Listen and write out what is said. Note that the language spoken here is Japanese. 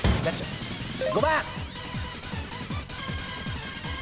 ５番。